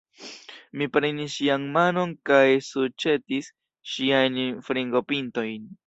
Mi prenis ŝian manon kaj suĉetis ŝiajn fingropintojn.